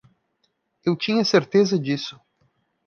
Eu tinha certeza disso.